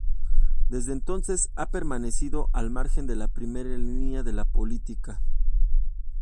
Desde entonces ha permanecido al margen de la primera línea de la política.